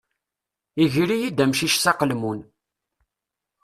Iger-iyi-d amcic s aqelmun.